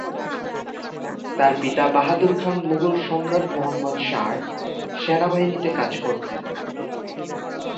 তার পিতা বাহাদুর খান মুঘল সম্রাট মুহাম্মদ শাহ’র সেনাবাহিনীতে কাজ করতেন।